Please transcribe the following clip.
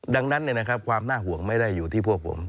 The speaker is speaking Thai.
ดังนั้นความน่าห่วงไม่ได้อยู่ที่พวกผม